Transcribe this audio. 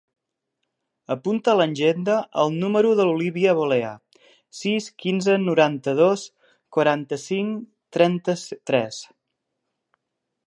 Apunta a l'agenda el número de l'Olívia Bolea: sis, quinze, noranta-dos, quaranta-cinc, trenta-tres.